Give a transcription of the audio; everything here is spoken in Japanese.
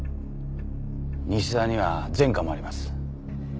西沢には前科もあります。